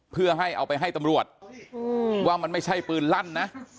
เพื่อให้เอาไปให้ตำรวจว่ามันไม่ใช่ปืนลั่นนะ